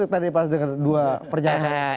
tadi pas dengar dua pernyataan